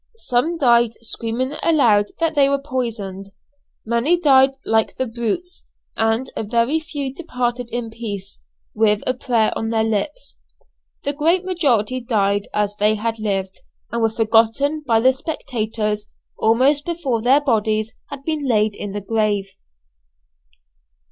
Some died screaming aloud that they were poisoned. Many died like the brutes, and a very few departed in peace, with a prayer on their lips. The great majority died as they had lived, and were forgotten by the spectators almost before their bodies had been laid in the grave.